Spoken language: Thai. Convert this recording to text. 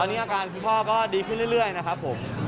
ตอนนี้อาการคุณพ่อก็ดีขึ้นเรื่อยนะครับผม